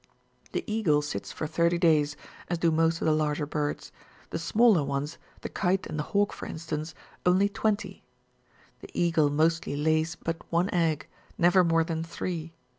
The eagle sits for thirty days, as do most of the larger birds ; the smaller ones, the kite and the hawk for instance, onlj^ twenty. The eagle mostly lays but one egg, never more than three.